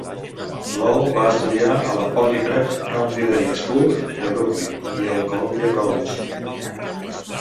Low va estudiar a la Poly Prep Country Day School de Brooklyn i al Columbia College.